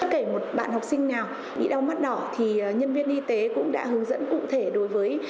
kể một bạn học sinh nào bị đau mắt đỏ thì nhân viên y tế cũng đã hướng dẫn cụ thể đối với